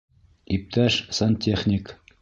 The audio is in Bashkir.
Иптәш сантехник!